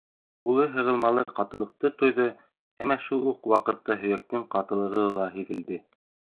Ҡулы һығылмалы ҡатылыҡты тойҙо, әммә шул уҡ ваҡытта һөйәктең ҡатылығы ла һиҙелде.